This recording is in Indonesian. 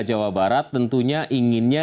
jawa barat tentunya inginnya